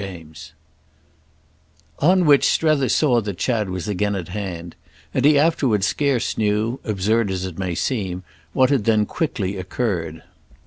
II On which Strether saw that Chad was again at hand, and he afterwards scarce knew, absurd as it may seem, what had then quickly occurred.